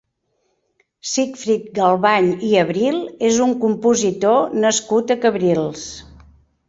Sigfrid Galbany i Abril és un compositor nascut a Cabrils.